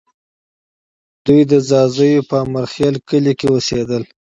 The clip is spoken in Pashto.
دوی د ځاځیو په امیرخېل کلي کې اوسېدل